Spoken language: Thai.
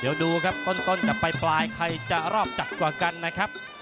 เดี๋ยวดูครับต้นกับปลายใครจะรอบจัดกว่ากันนะครับ